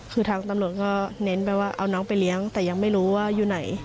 คือทางตำรวจก็เน้นไปว่าเอาน้องไปเลี้ยงแต่ยังไม่รู้ว่าอยู่ไหน